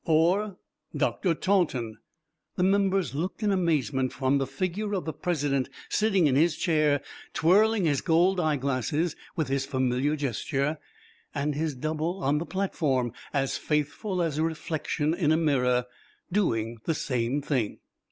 "Or Dr. Taunton." The members looked in amazement from the figure of the President sitting in his chair, twirling his gold eye glasses with his familiar gesture, and his double on the platform, as faithful as a reflection in a mirror, doing the same thing.